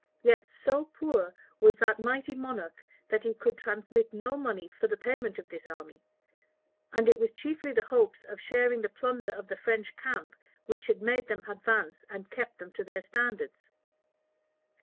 Yet so poor was that mighty monarch, that he could transmit no money for the payment of this army; and it was chiefly the hopes of sharing the plunder of the French camp which had made them advance and kept them to their standards.